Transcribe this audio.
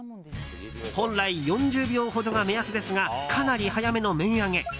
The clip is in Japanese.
本来４０秒ほどが目安ですがかなり早めの麺上げ。